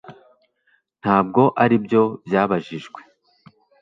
Ntabwo aribyo byabajijwe